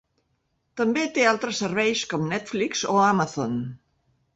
També té altres serveis com Netflix o Amazon.